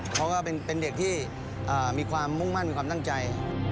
เขาก็เป็นเด็กที่มีความมุ่งมั่นมีความตั้งใจ